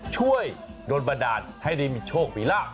ช่วยโดนบันดาลให้ได้มีโชคมีลาบ